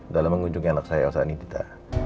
dalam mengunjungi anak saya elsa nita